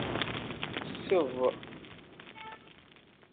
Sseḍ.